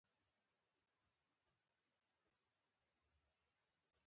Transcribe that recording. خو په سیاسي بنسټونو کې اصلاحات را نه وستل شول.